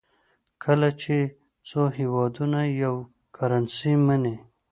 کله چې څو هېوادونه یوه کرنسي مني.